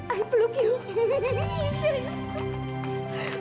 aku mau memelukmu